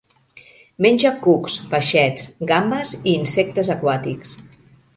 Menja cucs, peixets, gambes i insectes aquàtics.